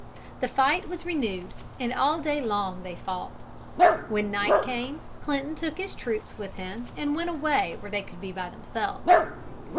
The fight was renewed, and all day long they fought. When night came, Clinton took his troops with him and went away where they could be by themselves.